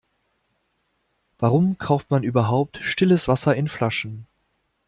Warum kauft man überhaupt stilles Wasser in Flaschen?